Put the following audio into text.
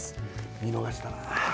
見逃したな。